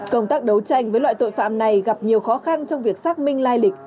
công tác đấu tranh với loại tội phạm này gặp nhiều khó khăn trong việc xác minh lai lịch